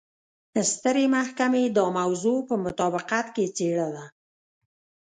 سترې محکمې دا موضوع په مطابقت کې څېړله.